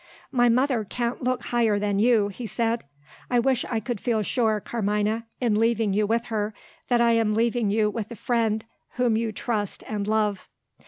"My mother can't look higher than you," he said. "I wish I could feel sure, Carmina in leaving you with her that I am leaving you with a friend whom you trust and love."